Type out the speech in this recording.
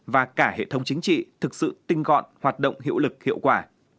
và cả hệ thống chính trị thực sự tinh gọn hoạt động hiệu lực hiệu quả